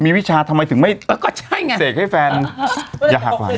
มีวิชาทำไมถึงไม่แล้วก็ใช่ไงเสกให้แฟนอย่าหักหลัง